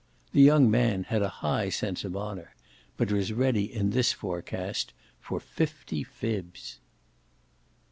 The young man had a high sense of honour but was ready in this forecast for fifty fibs.